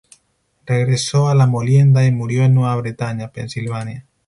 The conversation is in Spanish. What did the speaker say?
Regresó a la molienda, y murió en Nueva Bretaña, Pensilvania.